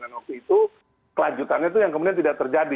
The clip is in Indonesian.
dan waktu itu kelanjutannya itu yang kemudian tidak terjadi